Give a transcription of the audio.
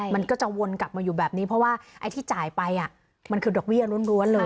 มันก็จะวนกลับมาอยู่แบบนี้เพราะว่าไอ้ที่จ่ายไปมันคือดอกเบี้ยล้วนเลย